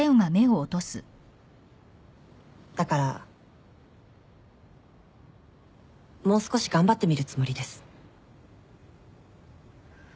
だからもう少し頑張ってみるつもりです。